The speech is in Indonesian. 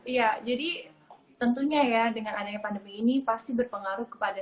iya jadi tentunya ya dengan adanya pandemi ini pasti berpengaruh kepada